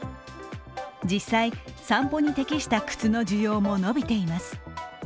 実際、散歩に適した靴の需要も伸びています。